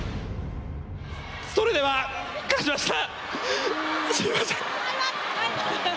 それでは勝ちました！